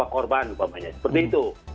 korban seperti itu